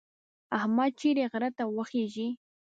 احمد چې غره ته وخېژي،